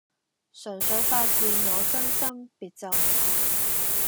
純粹發自我真心別皺眉